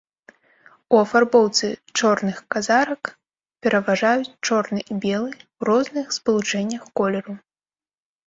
У афарбоўцы чорных казарак пераважаюць чорны і белы ў розных спалучэннях колеру.